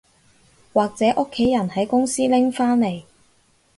或者屋企人喺公司拎返嚟